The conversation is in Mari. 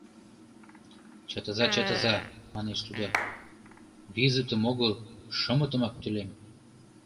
— Чытыза-чытыза, — манеш тудо, — визытым огыл, шымытымак тӱлем.